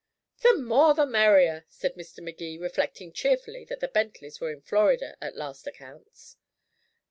"The more the merrier," said Mr. Magee, reflecting cheerfully that the Bentleys were in Florida at last accounts.